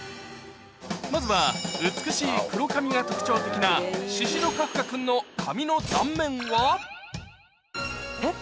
まずは美しい黒髪が特徴的なシシド・カフカ君の髪の断面は？えっ？